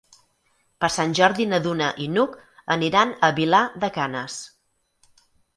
Per Sant Jordi na Duna i n'Hug aniran a Vilar de Canes.